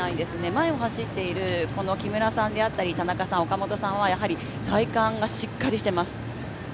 前を走っている木村さん田中さん、岡本さんは、体幹がしっかりしています。